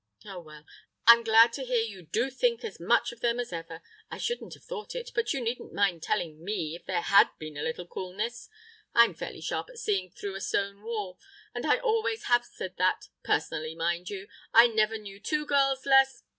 "Oh, well, I'm glad to hear you do think as much of them as ever. I shouldn't have thought it; but you needn't mind telling me if there had been a little coolness. I'm fairly sharp at seeing through a stone wall. And I always have said that—personally, mind you—I never knew two girls less....